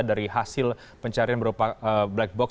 dari hasil pencarian berupa black box